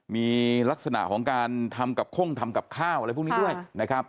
มีลักษณะของการทำกับข้งทำกับข้าวอะไรพวกนี้ด้วยนะครับ